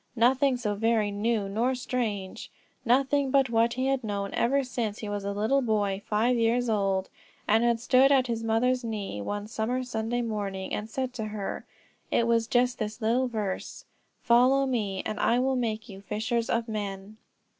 Nothing so very new nor strange, nothing but what he had known ever since he was a little boy five years old, and had stood at his mother's knee, one summer Sunday morning, and said it to her; it was just this little verse: "Follow me, and I will make you fishers of men."